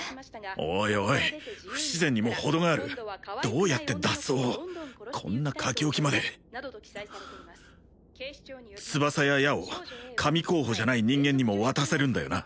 おいおい不自然にもほどがあるどうやって脱走をこんな書き置きまで翼や矢を神候補じゃない人間にも渡せるんだよな？